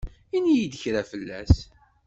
Ini-yi-d kra fell-as.